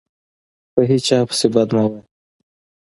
په هیچا پسي بد مه وایه